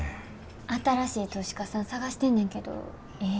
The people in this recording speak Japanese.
新しい投資家さん探してんねんけどええ